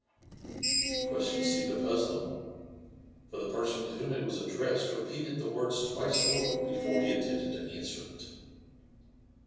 The question seemed a puzzling one ; for the periKin to whom it was addressed repeated the words twice over before he attempted tp answer it.